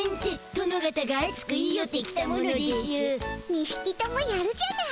２ひきともやるじゃない。